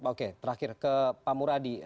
oke terakhir ke pak muradi